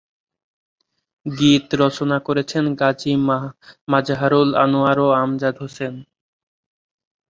গীত রচনা করেছেন গাজী মাজহারুল আনোয়ার ও আমজাদ হোসেন।